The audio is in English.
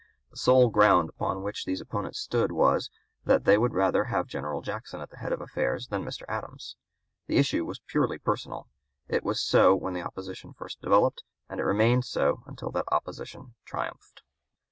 The sole ground upon which these opponents stood was, that they would rather have General Jackson at the head of affairs than Mr. Adams. The issue was purely personal; it was so when the opposition first developed, and it remained so until that opposition triumphed.